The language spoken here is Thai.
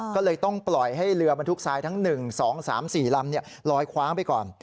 ก็เลยต้องปล่อยให้เรือบรรทุกทรายทั้ง๑๒๓๔ลำลอยคว้างไปก่อน